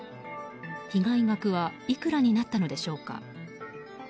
被害額はいくらになったのでしょうか。